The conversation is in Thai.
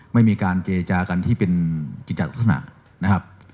ไม่มีการเจจากันที่เป็นกิจจากลักษณะนะครับ